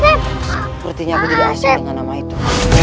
sepertinya aku jadi bahasa dengan nama itu